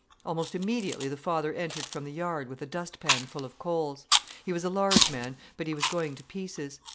Almost immediately the father entered from the yard with a dustpan full of coals. He was a large man, but he was going to pieces.